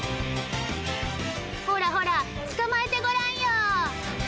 ほらほら、捕まえてごらんよ。